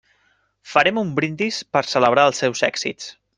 Farem un brindis per celebrar els seus èxits.